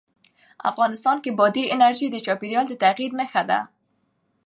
افغانستان کې بادي انرژي د چاپېریال د تغیر نښه ده.